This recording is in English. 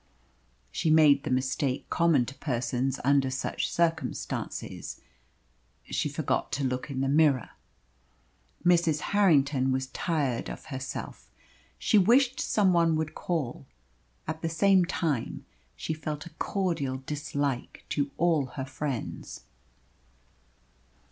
She made the mistake common to persons under such circumstances she forgot to look in the mirror. Mrs. Harrington was tired of herself. She wished someone would call. At the same time she felt a cordial dislike to all her friends.